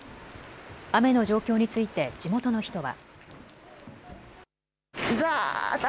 雨の状況について地元の人は。